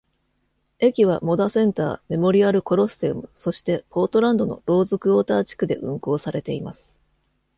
駅はモダセンター、メモリアルコロッセウム、そしてポートランドのローズクオーター地区で運行されています。